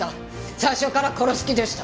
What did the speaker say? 最初から殺す気でした。